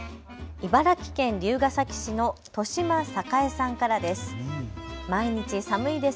茨城県龍ケ崎市の戸嶋栄さんからです。